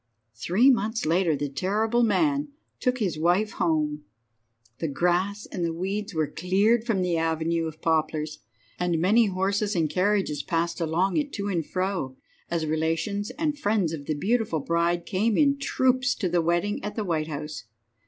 Three months later the terrible man took his wife home. The grass and weeds were cleared from the avenue of poplars, and many horses and carriages passed along it to and fro, as relations and friends of the beautiful bride came in troops to the wedding at the White House.